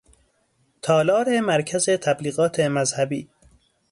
تالار مرکز تبلیغات مذهبی